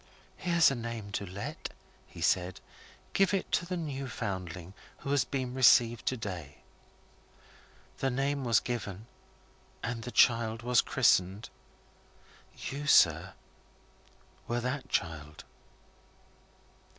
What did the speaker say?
'Here's a name to let,' he said. 'Give it to the new foundling who has been received to day.' The name was given, and the child was christened. You, sir, were that child."